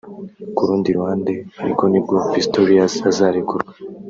Ku rundi ruhande ariko nubwo Pistorius azarekurwa